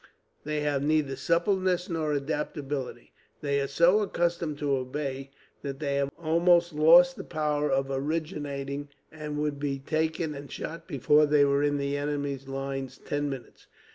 They have neither suppleness nor adaptability. They are so accustomed to obey that they have almost lost the power of originating, and would be taken and shot before they were in the enemy's lines ten minutes.